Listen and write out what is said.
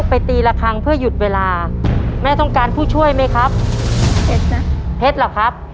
ตีละครั้งเพื่อหยุดเวลาแม่ต้องการผู้ช่วยไหมครับเพชรนะเพชรเหรอครับ